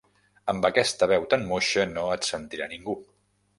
Amb aquesta veu tan moixa no et sentirà ningú.